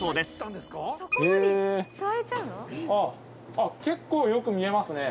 あ結構よく見えますね。